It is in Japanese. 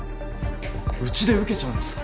うちで受けちゃうんですか？